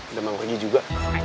udah mau pergi juga